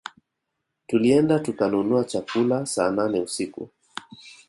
Tulienda tukanunua chakula saa nane usiku